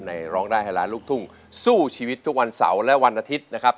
ร้องได้ให้ล้านลูกทุ่งสู้ชีวิตทุกวันเสาร์และวันอาทิตย์นะครับ